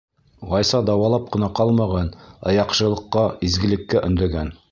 Ғайса дауалап ҡына ҡалмаған, ә яҡшылыҡҡа, изгелеккә өндәгән.